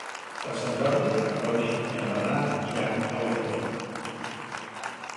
Per Sant Jordi en Rauric i en Bernat iran a Ulldecona.